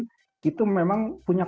itu memang punya komoditas yang sangat kuat